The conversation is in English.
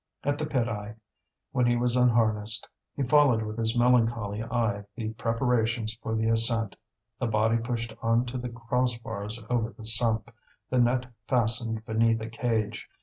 At the pit eye, when he was unharnessed, he followed with his melancholy eye the preparations for the ascent the body pushed on to the cross bars over the sump, the net fastened beneath a cage.